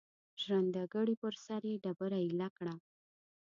ژرندګړی پر سر یې ډبره ایله کړه.